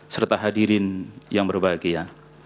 serta hadirin yang berbahagia